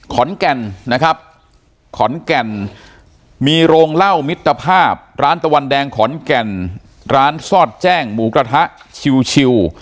ขอนแก่นนะครับขอนแก่นมีโรงเหล้ามิตรภาพร้านตะวันแดงขอนแก่นร้านซอดแจ้งหมูกระทะชิว